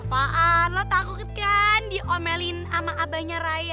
apaan lo takut kan diomelin sama abangnya raya